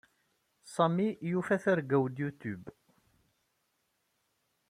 Sami yufa targa-w n YouTube.